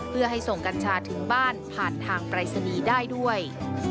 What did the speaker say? เพื่อให้ส่งกัญชาถึงบ้านผ่านทางปรายศนีย์ได้ด้วย